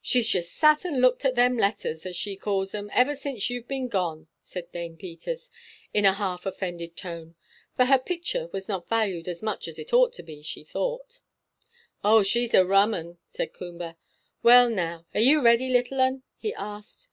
"She's just sat and looked at them letters, as she calls 'em, ever since you've been gone," said Dame Peters, in a half offended tone; for her picture was not valued as much as it ought to be, she thought. "Oh, she's a rum 'un," said Coomber. "Well, now, are you ready, little 'un?" he asked.